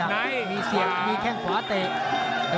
ที่หน้ามีแข้งขวานเตะ